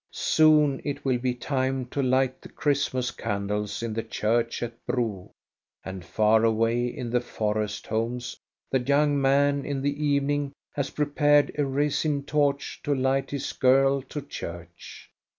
Soon it will be time to light the Christmas candles in the church at Bro, and far away in the forest homes the young man in the evening has prepared a resin torch to light his girl to church.